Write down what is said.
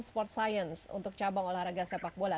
sport science untuk cabang olahraga sepak bola